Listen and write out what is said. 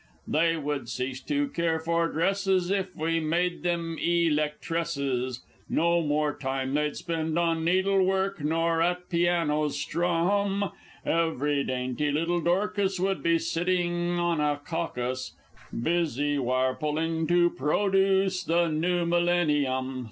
They would cease to care for dresses, if we made them elec tresses, No more time they'd spend on needlework, nor at pianos strum; Every dainty little Dorcas would be sitting on a Caucus, Busy wire pulling to produce the New Millenni um!